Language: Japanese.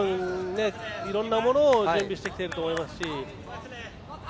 いろんなものを準備していると思いますし。